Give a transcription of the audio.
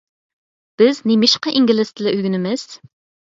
بىز نېمىشقا ئىنگلىز تىلى ئۆگىنىمىز؟